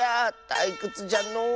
たいくつじゃのう。